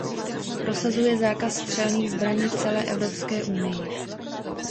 Prosazuje zákaz střelných zbraní v celé Evropské unii.